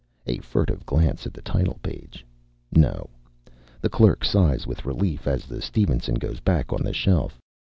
A furtive glance at the title page. No. The clerk sighs with relief as the Stevenson goes back on the shelf.